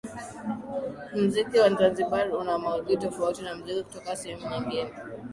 Muziki wa zanzibar una maudhui tofauti na muziki kutoka sehemu nyingine